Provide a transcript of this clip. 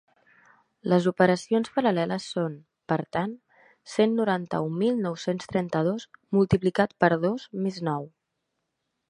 Les operacions paral·leles són, per tant, cent noranta-un mil nou-cents trenta-dos multiplicat per dos més nou.